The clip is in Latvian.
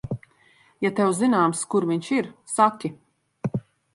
Ja tev zināms, kur viņš ir, saki.